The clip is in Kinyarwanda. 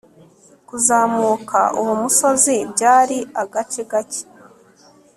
Kuzamuka uwo musozi byari agace kake